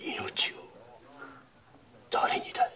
誰にだい？